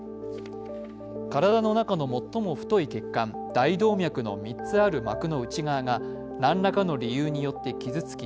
体の中の最も太い血管、大動脈の３つある膜の内側が何らかの理由によって傷つき